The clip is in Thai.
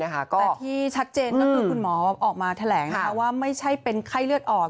แต่ที่ชัดเจนก็คือคุณหมอออกมาแถลงว่าไม่ใช่เป็นไข้เลือดออก